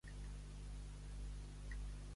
Omplir-se el gavatx.